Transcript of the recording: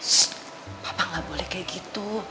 ssst papa gak boleh kayak gitu